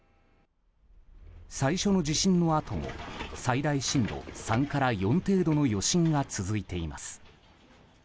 最初の地震のあとも最大震度３から４程度の余震が続いています。